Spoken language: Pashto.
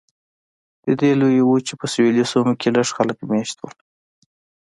د دې لویې وچې په سویلي سیمو کې لږ خلک مېشت وو.